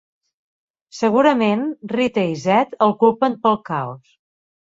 Segurament, Rita i Zedd el culpen pel caos.